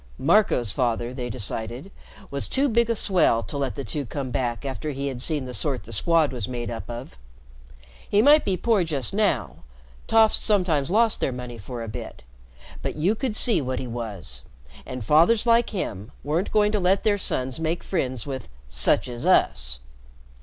Marco's father, they decided, was too big a swell to let the two come back after he had seen the sort the Squad was made up of. He might be poor just now, toffs sometimes lost their money for a bit, but you could see what he was, and fathers like him weren't going to let their sons make friends with "such as us."